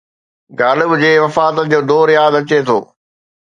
غالب جي وفات جو دور ياد اچي ٿو